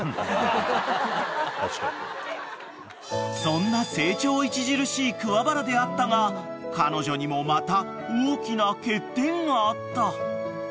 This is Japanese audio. ［そんな成長著しい桑原であったが彼女にもまた大きな欠点があった］